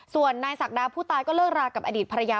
ส่วนนายศักดาผู้ตายก็เลิกรากับอดีตภรรยา